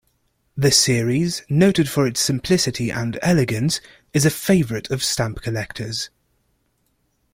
The series, noted for its simplicity and elegance, is a favorite of stamp collectors.